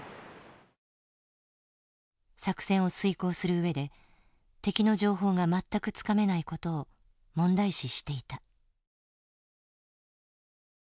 作戦を遂行する上で敵の情報が全くつかめないことを問題視していた。